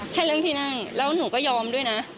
แค่เรื่องที่นั่งแล้วหนูก็ยอมด้วยนะ